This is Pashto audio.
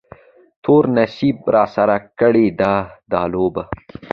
تور نصیب راسره کړې ده دا لوبه